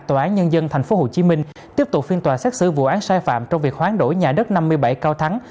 ubnd tp hcm tiếp tục phiên tòa xét xử vụ án sai phạm trong việc hoán đổi nhà đất năm mươi bảy cao thắng